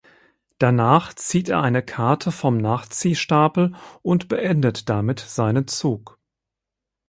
Danach zieht er eine Karte vom Nachziehstapel und beendet damit seinen Zug.